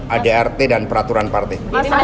adrt dan peraturan partai